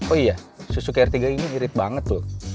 oh iya suzuki r tiga ini irit banget loh